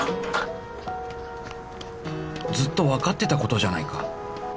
ずっと分かってたことじゃないか